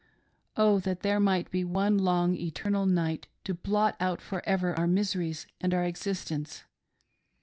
Oh that there might be one long eternal night to blot out for ever our miseries and our existence.